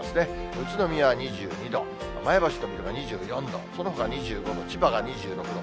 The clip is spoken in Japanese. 宇都宮は２２度、前橋と水戸が２４度、そのほか２５度、千葉が２６度。